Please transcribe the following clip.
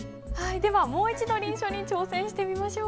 ではもう一度臨書に挑戦してみましょう。